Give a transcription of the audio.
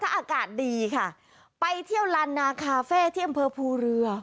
อากาศดีค่ะไปเที่ยวลานนาคาเฟ่ที่อำเภอภูเรือ